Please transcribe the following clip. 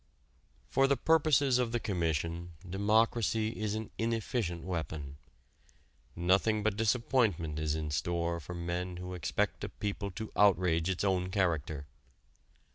For the purposes of the Commission democracy is an inefficient weapon. Nothing but disappointment is in store for men who expect a people to outrage its own character.